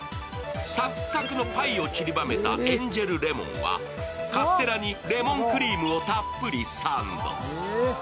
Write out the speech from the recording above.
サクサクのパイをちりばめたエンジェルレモンはカステラにレモンクリームをたっぷりサンド。